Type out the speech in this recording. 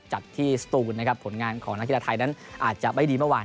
จัดที่สตูนนะครับผลงานของนักกีฬาไทยนั้นอาจจะไม่ดีเมื่อวาน